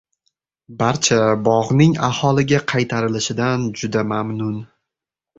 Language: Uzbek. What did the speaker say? Barcha bog'ning aholiga qaytarilishidan juda mamnun!